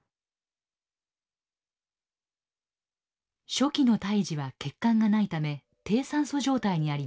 初期の胎児は血管がないため低酸素状態にあります。